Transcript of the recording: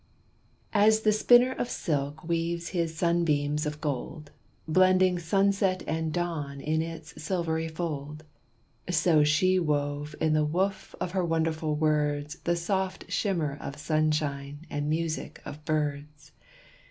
As the spinner of silk weaves his sunbeams of gold, Blending sunset and dawn in its silvery fold, So she wove in the woof of her wonderful words The soft shimmer of sunshine and music of birds.